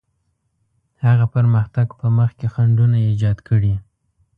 هغه پرمختګ په مخ کې خنډونه ایجاد کړي.